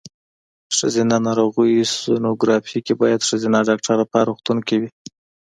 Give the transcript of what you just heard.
ښځېنه ناروغیو سینوګرافي کې باید ښځېنه ډاکټره په هر روغتون کې وي.